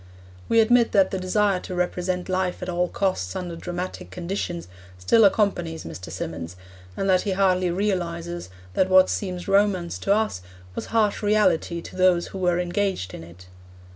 We admit that the desire to represent life at all costs under dramatic conditions still accompanies Mr. Symonds, and that he hardly realises that what seems romance to us was harsh reality to those who were engaged in it.